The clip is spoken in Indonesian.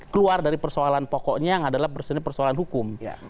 keluar dari persoalan pokoknya yang adalah persoalan hukum